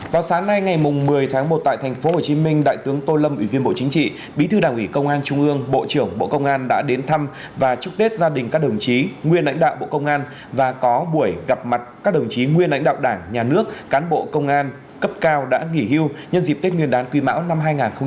vào sáng nay ngày một mươi tháng một tại tp hcm đại tướng tô lâm ủy viên bộ chính trị bí thư đảng ủy công an trung ương bộ trưởng bộ công an đã đến thăm và chúc tết gia đình các đồng chí nguyên lãnh đạo bộ công an và có buổi gặp mặt các đồng chí nguyên lãnh đạo đảng nhà nước cán bộ công an cấp cao đã nghỉ hưu nhân dịp tết nguyên đán quý mão năm hai nghìn hai mươi bốn